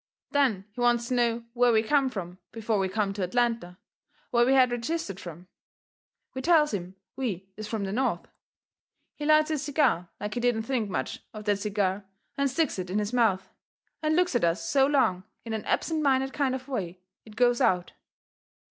Then he wants to know where we come from before we come to Atlanta, where we had registered from. We tells him we is from the North. He lights his cigar like he didn't think much of that cigar and sticks it in his mouth and looks at us so long in an absent minded kind of way it goes out.